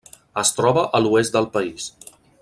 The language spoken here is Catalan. Es troba a l'oest del país.